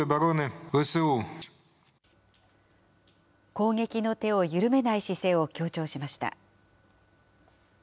攻撃の手を緩めない姿勢を強調しました。